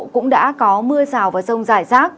cũng đã có mưa rào và rông dài rác